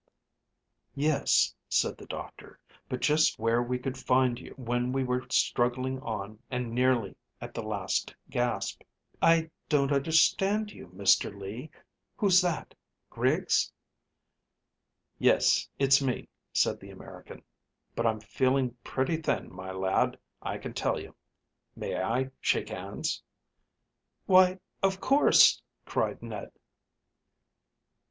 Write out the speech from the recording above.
"Yes," said the doctor; "but just where we could find you when we were struggling on and nearly at the last gasp." "I don't understand you, Mr Lee. Who's that Griggs?" "Yes, it's me," said the American, "but I'm feeling pretty thin, my lad, I can tell you. May I shake hands?" "Why, of course!" cried Ned.